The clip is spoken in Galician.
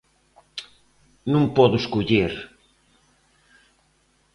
Non podo escoller.